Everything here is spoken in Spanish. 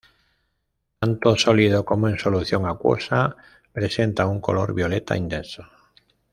Tanto sólido como en solución acuosa presenta un color violeta intenso.